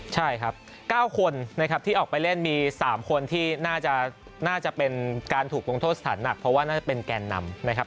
ใช่ครับ๙คนนะครับที่ออกไปเล่นมี๓คนที่น่าจะเป็นการถูกลงโทษสถานหนักเพราะว่าน่าจะเป็นแกนนำนะครับ